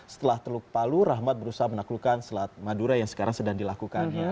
setelah teluk palu rahmat berusaha menaklukkan selat madura yang sekarang sedang dilakukannya